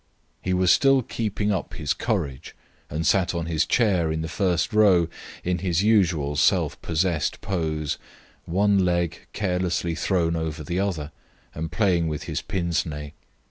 He was still keeping up his courage and sat on his chair in the first row in his usual self possessed pose, one leg carelessly thrown over the other, and playing with his pince nez.